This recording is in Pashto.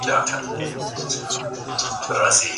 څه ډول انلاين زده کړه د زده کړې کیفیت لوړوي؟